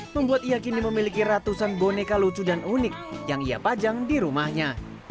membuat ia kini memiliki ratusan boneka lucu dan unik yang ia pajang di rumahnya